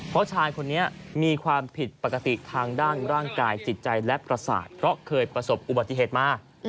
เพราะชายคนนี้มีความผิดปกติทางด้านร่างกายจิตใจและประสาทเพราะเคยประสบอุบัติเหตุมา